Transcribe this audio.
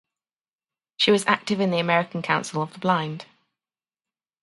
She was active in the American Council of the Blind.